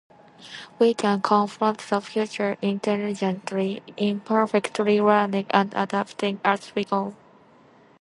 We can confront the future intelligently, imperfectly - learning and adapting as we go.